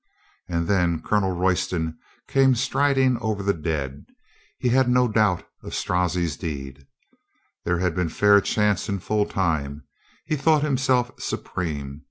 And then Colonel Royston came striding over the dead. He had no doubt of Strozzi's deed. There had been fair chance and full time. He thought himself supreme.